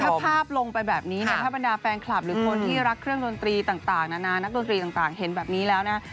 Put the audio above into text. ถ้าภาพลงไปแบบนี้เนี่ยถ้าบรรดาแฟนคลับหรือคนที่รักเครื่องดนตรีต่างนานานักดนตรีต่างเห็นแบบนี้แล้วนะ